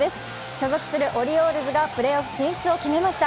所属するオリオールズがプレーオフ進出を決めました。